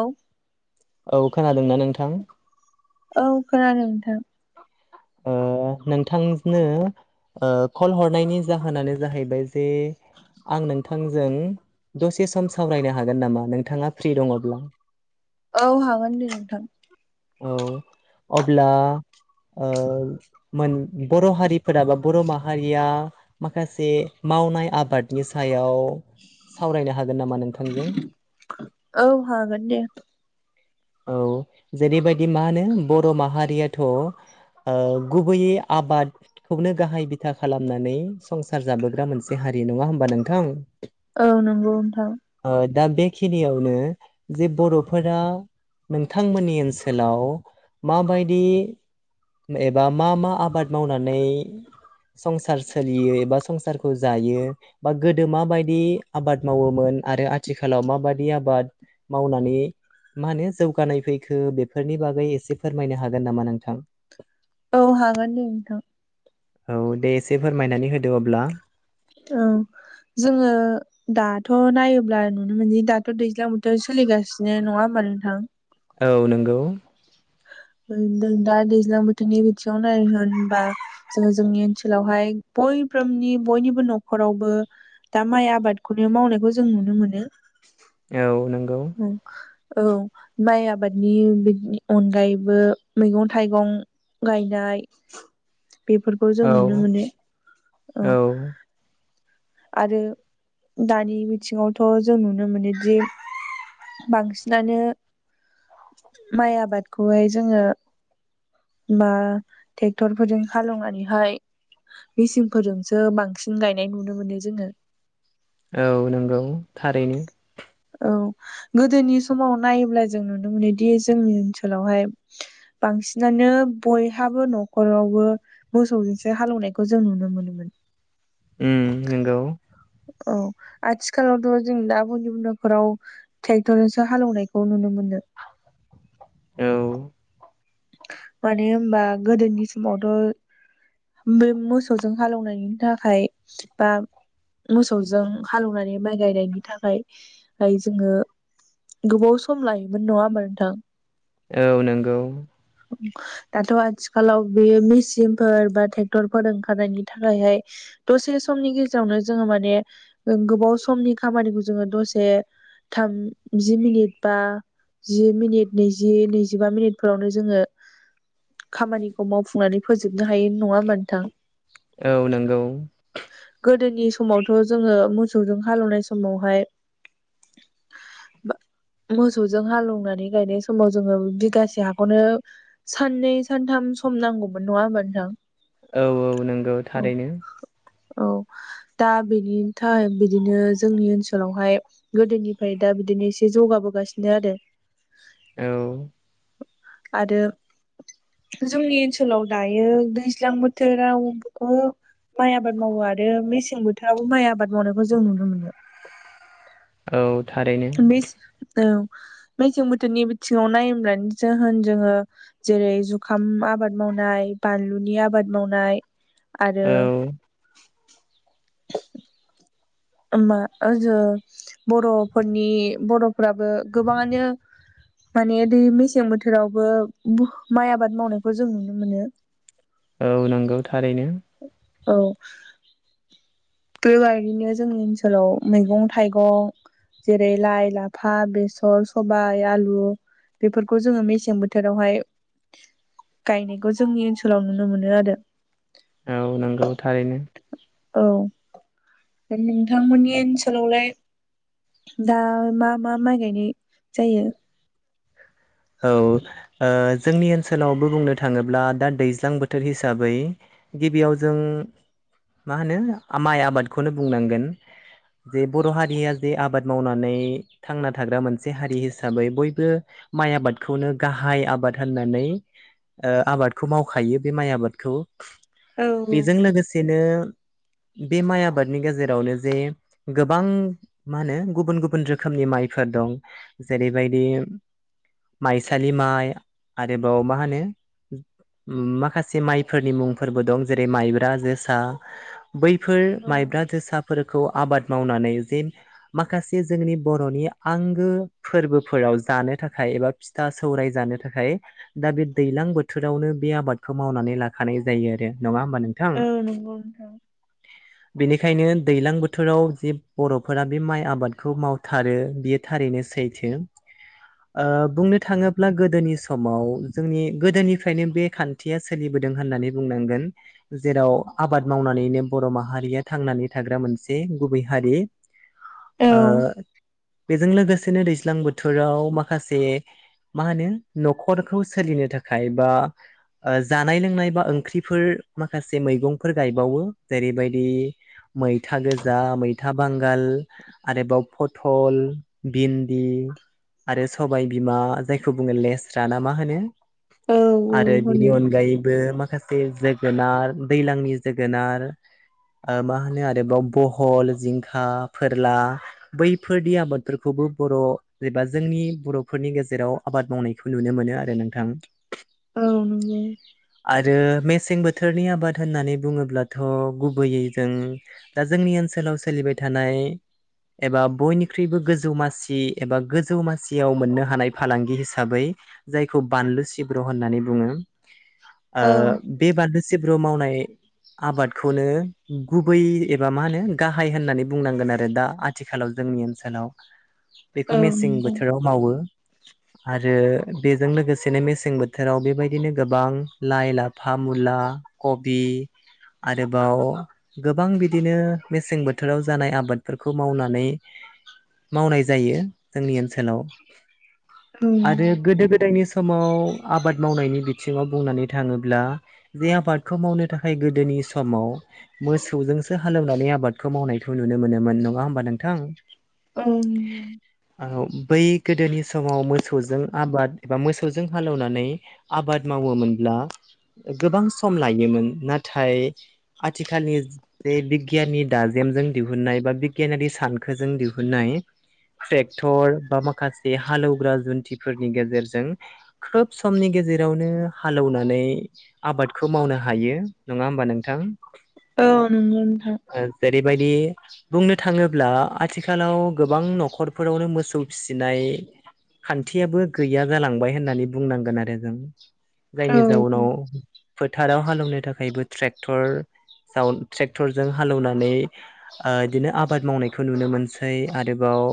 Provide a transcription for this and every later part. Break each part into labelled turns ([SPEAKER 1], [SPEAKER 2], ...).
[SPEAKER 1] औ
[SPEAKER 2] औ खोनादोंना नोंथां?
[SPEAKER 1] औ खोनादों नोंथां,
[SPEAKER 2] ओ नोंथांनो ओ कल हरनायनि जाहोनानो जाहैबाय जे आंनों आंजों दसे सम सावरायनो हागोन नामा? नोंथाङा फ्रि दङब्ला।
[SPEAKER 1] औ हागोन दे नोंथां,
[SPEAKER 2] औ अब्ला ओ मोन बर' हारिफोरा बा बर' माहारिया माखासे, मावनाय आबादनि सायाव, सावरायना हागोन नामा नोंथांजों?
[SPEAKER 1] औ हागोन दे
[SPEAKER 2] औ जेरैबायदि मानो बर' माहारियाथ' आ गुबैयै आबादखौनो गाहाय बिथा खालामनानै संसार जाबोग्रा मोनसे हा हारि नङा होमबा नोंथां,
[SPEAKER 1] औ नंगौ नोंथां,
[SPEAKER 2] दा बेखिनियावनो जे बर'फोरा, नोंथांमोननि ओनसोलाव माबायदि, एबा मा मा आबाद मावनानै, संसार सोलियो एबा संसारखौ जायो बा गोदो माबायदि आबाद मावोमोन आरो आथिखालाव माबादि आबाद मावनानै मा होनो जौगानाय फैखो बेफोरनि बागै एसे फोरमायनो हागोन नामा नोंथां
[SPEAKER 1] औ हागोन दे नोंथां
[SPEAKER 2] औ दे एसे फोरमायनानै होदो अब्ला
[SPEAKER 1] औ जोङो दाथ' नायोब्ला नुनो मोनदि दाथ' दैज्लां बोथोर सोलिगासिनो नङा होनबा नोंथां
[SPEAKER 2] औ नंगौ
[SPEAKER 1] दा दैज्लां बोथोरनि बिथिङाव नाय होनबा जोङो जोंनि ओनसोलावहाय बयफ्रोमनि बयनिबो न'खरावबो दा माइ आबादखौनो मावनायखौ जों नुनो मोनो
[SPEAKER 2] औ नंगौ
[SPEAKER 1] ओम औ माइ आबादनि बिनि अनगायैबो मैगं थाइगं गायनाय बेफोरखौ जों
[SPEAKER 2] औ
[SPEAKER 1] नुनो मोनो औ आरो दानि बिथिङावथ' जों नुनो मोनोदि बांसिनानो माइ आबादखौहाय जोङो बा ट्रेक्टरफोरजों हालेवनानैहाय मेसिंफोरजोंसो बांसिन गायनाय नुनो मोनो जोङो
[SPEAKER 2] औ नंगौ थारैनो
[SPEAKER 1] औ गोदोनि समाव नायोब्ला जों नुनो मोनोदि जोंनि ओनसोलावहाय बांसिनानो बयहाबो न'खरावबो मोसौजोंसो हालौनायखौ जों नुनो मोनोमोन
[SPEAKER 2] ओम नंगौ
[SPEAKER 1] औ आथिखालावथ' जों दा बयनिबो न'फोराव ट्रेक्टरजोंसो हालेवनायखौ नुनो मोनो
[SPEAKER 2] औ
[SPEAKER 1] मानो होनबा गोदोनि समावथ' बे मोसौजों हालौवनायनि थाखाय बा मोसौजों हालौनानै माइ गायनायनि थाखाय जोङो गोबाव सम लायोमोन नङा होमबा नोंथां
[SPEAKER 2] औ नंगौ
[SPEAKER 1] दाथ' आथिखालाव बेयो मेसिनफोर बा ट्रेक्टरफोर ओंखारनायनि थाखायहाय दसे समनि गेजेरावनो जोङो माने गोबाव समनि खामानिखौ जोङो दसे थाम जि मिनिट बा जि मिनिट नैजि नैजिबा मिनिटफोरावनो जोङो खामानिखौ मावफुंनानै फोजोबनो हायो नङा होनबा नोंथां
[SPEAKER 2] औ नंगौ
[SPEAKER 1] गोदोनि समावथ' जोङो मोसौजों हालौवनाय समावहाय मोसौजों हालौनानै गायनाय समाव जोङो बिगासे हा खौनो साननै सानथाम सम नांगौमोन नङा होमबा नोंथां
[SPEAKER 2] औ औ नंगौ
[SPEAKER 1] औ
[SPEAKER 2] थारैनो
[SPEAKER 1] औ दा बेनि थाखाय बिदिनो जोंनि ओनसोलावहाय गोदोनिफ्राय दा बिदिनो एसे जौगा बोगासिनो आरो
[SPEAKER 2] औ
[SPEAKER 1] आरो जोंनि ओनसोलाव दायो दैज्लां बोथोराव गोबां माइ आबाद मावो आरो मेसें बोथोरावबो माइ आबाद मावनायखौ जों नुनो मोनो
[SPEAKER 2] औ थारैनो
[SPEAKER 1] बेस औ मेसें बोथोरनि बिथिङाव नायोब्लानो जाहोन जोङो जेरै जुखाम आबाद माव मावनाय बानलुनि आबाद मावनाय आरो
[SPEAKER 2] औ
[SPEAKER 1] मा जो बर'फोरनि बर'फ्राबो गोबाङानो माने मेसें बोथोरावबो माइ आबाद मावनायखौ जों नुनो मोनो।
[SPEAKER 2] औ नंगौ थारैनो
[SPEAKER 1] औ बेबायदिनो जोंनि ओनसोलाव मैगं थाइगं जेरै लाइ लाफा बेसर सबाय आलु बेफोरखौ जोङो मेसें बोथोरावहाय
[SPEAKER 2] [inaudible]
[SPEAKER 1] गायनायखौ जोंनि ओनसोलाव नुनो मोनो आरो।
[SPEAKER 2] औ नंगौ थारैनो औ
[SPEAKER 1] औ नोंथांमोननि ओनसोलावलाय दा मा मा माइ गायनाय जायो?
[SPEAKER 2] औ ओ जोंनि ओनसोलावबो बुंनो थाङोब्ला दा दैज्लां बोथोर हिसाबै गिबियाव जों मा होनो माइ आबादखौनो बुंनांगोन। जे बर' हारिया जे आबाद मावनानै थांना थाग्रा मोनसे हारि हिसाबै बयबो माइ आबादखौनो गाहाय आबाद होननानै ओ आबादखौ मावखायो बे माइ आबादखौ
[SPEAKER 1] औ
[SPEAKER 2] बेजों
[SPEAKER 1] औ
[SPEAKER 2] लोगोसेनो [inaudible] बे माइ आबादनि गेजेरावनो जे गोबां मा होनो गुबुन गुबुन रोखोमनि माइफोर दं जेरैबायदि माइसालि माइ आरोबाव मा होनो माखासे माइफोरनि मुंफोरबो दं जेरै माइब्रा जोसा बैफोर
[SPEAKER 1] औ
[SPEAKER 2] माइब्रा जोसाब फोरखौ आबाद मावनानै जे माखासे जोंनि बर'नि आंगो फोरबोफोराव जानो थाखाय एबा फिथा सौराय जानो थाखाय दा बे दैलां बोथोरावनो बे आबादखौ मावनानै लाख जायो आरो नङा होनबा नोंथां
[SPEAKER 1] औ नंगौ नोंथां।
[SPEAKER 2] बेनिखायनो दैलां बोथोराव जि बर'फोरा बे माइ आबादखौ मावथारो बियो थारैनो सैथो। [inaudible] ओ बुंनो थाङोब्ला गोदोनि समाव जोंनि गोदोनिफ्रायनो बे खान्थिया सोलिबोदों होन नानै बुंनांगोन जेराव आबाद मावनानैनो बर' माहारिया थांनानै थाग्रा मोनसे हारि
[SPEAKER 1] औ
[SPEAKER 2] ओ बेजों लोगोसेनो दैज्लां बोथोराव माख माखासे मा होनो न'खरखौ सोलिनो थाखाय बा जानाय लोंनाय बा ओंख्रिफोर माखासे मैगंफोर गायबावो जेरैबायदि मैथा गोजा मैथा बांगाल आरोबाव पथल भिन्दि आरो सबाय बिमा जायखौ बुङो लेस्रा ना मा होनो
[SPEAKER 1] औ
[SPEAKER 2] आरो
[SPEAKER 1] औ
[SPEAKER 2] बिनि
[SPEAKER 1] होनो।
[SPEAKER 2] अनगायैबो माखासे जो जोगोनार दैलांनि जोगोनार ओ मा होनो आरोबाव बहल जिंखा फोरला बैफोरनि आबादफोरखौ बर' एबा जोंनि बर'फोरनि गेजेराव आबाद मावनायखौ नुनो मोनो आरो नोंथां।
[SPEAKER 1] औ नंगौ
[SPEAKER 2] आरो मेसें बोथोर बोथोरनि आबाद होननानै बुङोब्लाथ' गुबैयै जों दा जोंनि ओनसोलाव सोलिबाय थानाय एबा बयनिख्रुइबो गोजौ मासि एबा गो जौमासियाव मोननो हानाय फालांगि हिसाबै जायखौ बानलु सिब्र' होननानै बुङो।
[SPEAKER 1] औ
[SPEAKER 2] बे बान्लु सिब्रु मावनाय आबादखौनो गुबै एबा मा होनो गाहाय होननानै बुंनांगोन आरो दा आथिखालाव जों जोंनि ओनसोलाव बेखौ मेसें
[SPEAKER 1] नंगौ
[SPEAKER 2] बोथोराव मावो। आरो बेजों लोगोसेनो मेसें बोथोराव बेबायदिनो गोबां लाइ लाफा मुला कबि आरोबाव गोबां बिदिनो मेसें बोथोराव जानाय आबादफोरखौ मावनानै मावनाय जायो जोंनि ओनसोलाव
[SPEAKER 1] औ
[SPEAKER 2] आरो गोदो गोदायनि समाव आबाद मावनायनि बिथिङाव बुंनानै थाङोब्ला जे आबादखौ मावनो थाखाय गोदोनि समाव मोसौजोंसो हालेवनानै आबादखौ मावनायखौ नुनो मोनोमोन नङा होमबा नोंथां
[SPEAKER 1] औ
[SPEAKER 2] बै गोदोनि समाव मोसौजों आबाद एबा मोसौजों हालेवनानै आबाद मावो मावोमोनब्ला गोबां सम लायोमोन नाथाय आथिखालनि जे बिगियाननि दा जे दिहुननाय बा बिगियानारि सानखोजों दिहुननाय ट्रेक्टर बा माखासे हालौवग्रा जुन्थिफोरनि गेजेरजों खोब समनि गेजेराव यावनो हालौनानै आबादखौ मावनो हायो नङा होमबा नोंथां।
[SPEAKER 1] औ नोंगौ नोंथा
[SPEAKER 2] बेबायदि बुंनो थाङोब्ला आथिखालाव गोबां न'खर फोरावनो मोसौ फिसिनाय खान्थियाबो गैया जालांबाय होननानै बुंनांगोन आरो जों
[SPEAKER 1] औ
[SPEAKER 2] जायनि जाउनाव फोथाराव हालेवनो थाखायबो ट्रेक्टर जाव ट्रेक्टरजों हालेवनानै बिदिनो आबाद मावनायखौ नुनो मोनसै आरोबाव‌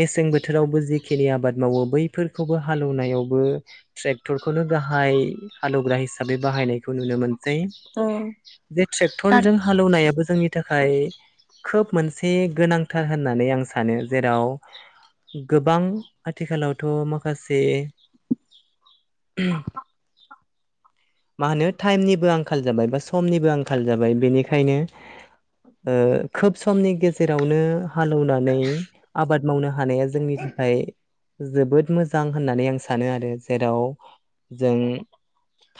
[SPEAKER 2] मेसें बोथोरावबो जिखिनि आबाद मावो बैफोरखौबो हालेवनायावबो ट्रेक्टर खौनो गाहाय हालेवग्रा हिसाबै बाहायनायखौ नुनो मोन जे
[SPEAKER 1] औ
[SPEAKER 2] बे
[SPEAKER 1] दा
[SPEAKER 2] ट्रेक्टरजों हालेवनायाबो जोंनि थाखाय थाखाय खोब मोनसे गोनांथार होननानै आं सानो जेराव गोबां आथिखालावथ' माखासे [inaudible] मा होनो टाइमनिबो आंखाल जाबाय बा समनिबो आंखाल जाबाय बेनिखायनो ओ खोब समनि गेजेरावनो हालेवनानै आबाद मावनो हानाया जोंनि थाखाय जोबोद मोजां होननानै आं सानो आरो जेराव जों‌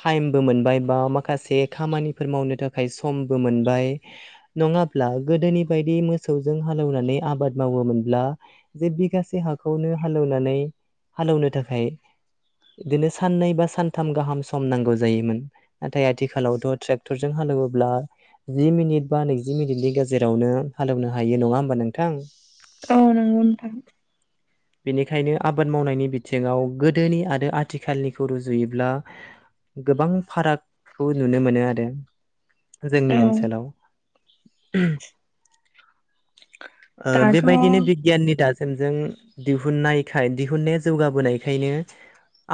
[SPEAKER 2] टाइमबो मोनबाय बा माखासे खामानिफोर मावनो थाखाय समबो मोनबाय नङाब्ला गोदोनि बायदि मोसौ जों हालेवनानै आबाद मावोमोन। ब्ला जे बिगासे हाखौनो हालनानै हालेवनो थाखाय बिदिनो साननै बा सानथाम गाहाम सम नांगौ जायोमोन नाथाय आथिखालावथ' ट्रेक्टरजों ह हालेवोब्ला जि मिनिट बा नैजि मिनिटनि गेजेरावनो हालेवनो हायो नङा होमबा नोंथां
[SPEAKER 1] औ नांगौ नोंथा
[SPEAKER 2] [inaudible] बेनिखायनो आबाद मावनायनि बिथिङाव गोदोनि आरो आथिखालनिखौ रुजुयोब्ला गोबां फारागखौ नुनो मोनो आरो
[SPEAKER 1] औ
[SPEAKER 2] जोंनि ओनसोलाव ओ
[SPEAKER 1] दाथ'
[SPEAKER 2] बेबायदिनो बिगियाननि दाजमजों दिहुननायखाय दिहुुननाया जौगाबोनायखायनो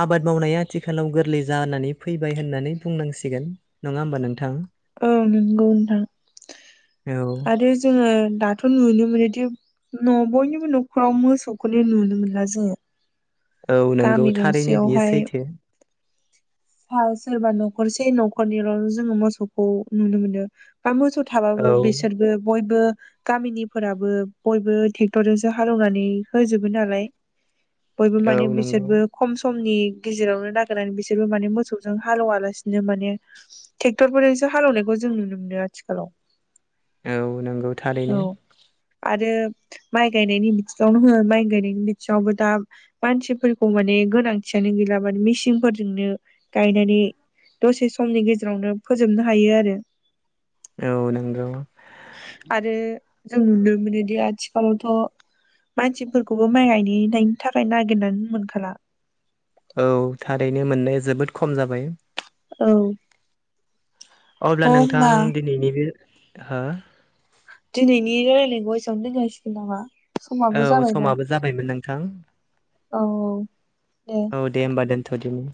[SPEAKER 2] आबाद मावनाया आथिखालाव गोरलै जानानै फैबाय होननानै बुंनांसिगोन नङा होमबा नोंथां।
[SPEAKER 1] औ नोंगौ नोंथां
[SPEAKER 2] औ
[SPEAKER 1] आरो जोङो दाथ' नुनो मोनोदि न' बयनिबो न'खराव मोसौखौनो नुनो मोनला जोङो।
[SPEAKER 2] औ नंगौ
[SPEAKER 1] गामि
[SPEAKER 2] थारैनो बियो
[SPEAKER 1] गंसेयावहाय
[SPEAKER 2] सैथो
[SPEAKER 1] सोरबा न'खरसे न'खरनैआवल' जोङो मोसौखौ नुनो मोनो। बा मोसौ थाबाबो
[SPEAKER 2] औ
[SPEAKER 1] बिसोरबो बयबो गामिनिफोराबो बयबो ट्रेक्टरजोंसो हालौवनानै होजोबो नालाय बयबो
[SPEAKER 2] औ
[SPEAKER 1] माने
[SPEAKER 2] नंगौ
[SPEAKER 1] बिसोरबो खम समनि गेजेरावनो नागिरनानै बिसोरबो माने मोसौजों हालौवा लासिनो माने टेक्टरफोरजोंसो हालेवनायखौ जों नुनो मोनो आथिखालाव
[SPEAKER 2] औ नोंगौ थारैनो
[SPEAKER 1] औ आरो माइ गायनायनि बिथिङावनो होन माइ गायनायनि बिथिङावबो दा मानसिफोरखौ माने गोनांथियानो गैला माने मिसिनफोरजोंनो गायनानै दसे समनि गेजेरावनो फोजोबनो हायो आरो
[SPEAKER 2] औ नोंगौ
[SPEAKER 1] आरो जों [unintelligible] मोनोदि आथिखालावथ' मानसिफोरखौबो माइ गायनायनि थाखाय नागिरनानै मोनखाला
[SPEAKER 2] औ थारैनो मोननाया जोबोद खम जाबाय
[SPEAKER 1] औ
[SPEAKER 2] अब्ला नोंथां
[SPEAKER 1] होमबा
[SPEAKER 2] दिनैनि बे हो
[SPEAKER 1] दिनैनि [unintelligible] रानलायनायखौ [unintelligible] एसेयावनो दोनथ'सिगोन नामा समाबो
[SPEAKER 2] औ
[SPEAKER 1] जाबायना
[SPEAKER 2] समाबो जाबायमोन नोंथां
[SPEAKER 1] औ
[SPEAKER 2] औ दे होमबा दोनथ'दिनि